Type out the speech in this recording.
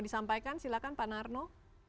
disampaikan silahkan pak narno